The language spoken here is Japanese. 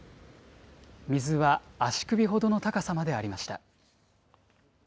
水は足首ほどの高さまでありました。